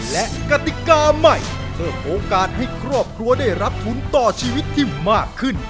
และกติกาใหม่เพิ่มโอกาสให้ครอบครัวได้รับทุนต่อชีวิตที่มากขึ้น